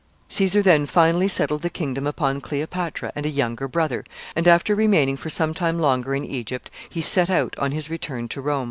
Caesar then finally settled the kingdom upon Cleopatra and a younger brother, and, after remaining for some time longer in Egypt, he set out on his return to Rome.